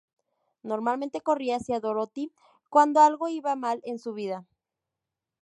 Normalmente corría hacia Dorothy cuando algo iba mal en su vida.